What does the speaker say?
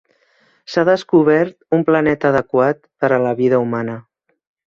S'ha descobert un planeta adequat per a la vida humana.